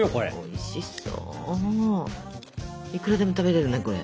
いくらでも食べれるねこれ。